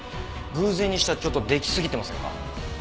偶然にしてはちょっと出来すぎてませんか？